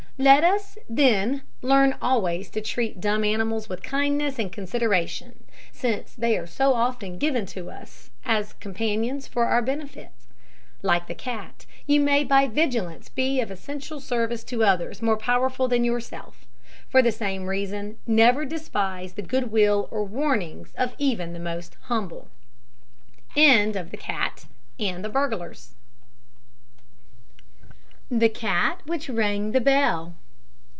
Let us, then, learn always to treat dumb animals with kindness and consideration, since they are so often given to us as companions for our benefit. Like the cat, you may by vigilance be of essential service to others more powerful than yourself. For the same reason, never despise the good will or warnings of even the most humble. THE CAT WHICH RANG THE BELL.